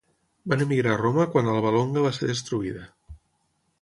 Van emigrar a Roma quan Alba Longa va ser destruïda.